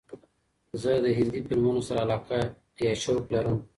زه د هندې فیلمونو سره علاقه یا شوق لرم.